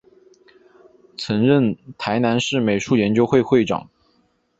曾任台南市美术研究会会长。